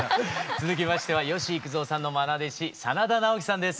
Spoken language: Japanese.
続きましては吉幾三さんのまな弟子真田ナオキさんです。